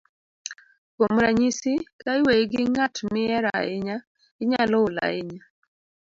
kuom ranyisi, ka iweyi gi ng'at mihero ahinya, inyalo ol ahinya